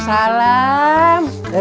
ayah mama kemana